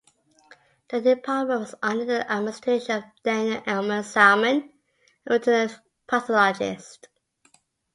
The department was under the administration of Daniel Elmer Salmon, a veterinary pathologist.